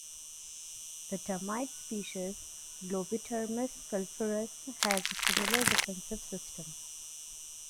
The termite species "Globitermes sulphureus" has a similar defensive system.